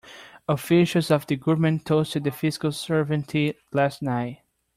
Officials of the government toasted the fiscal sovereignty last night.